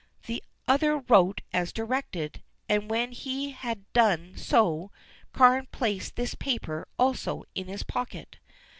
The other wrote as directed, and when he had done so Carne placed this paper also in his pocket.